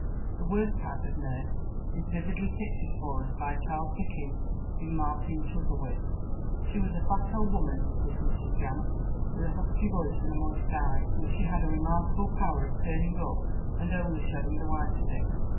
The worst type of nurse is vividly pictured for us by Charles Dickens in Martin Chuzzlewit: "She was a fat old woman, this Mrs Gamp, with a husky voice and a moist eye, which she had a remarkable power of turning up, and only showing the white of it.